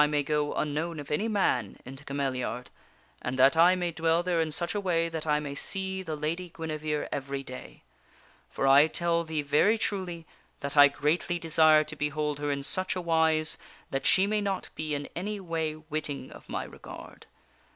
mav g O> un k nO wn of any man, into Cameliard, and that I may dwell there in such a way that I may see the Lady Guinevere every day. For I tell thee very truly that I greatly desire to behold her in such a wise that she may not be in any way witting of my regard.